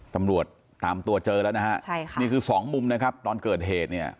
ตำรวจตามตัวเจอละนดับนี้คือ๒มุมตอนเกิดเหตุ